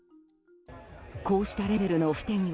こうしたレベルの不手際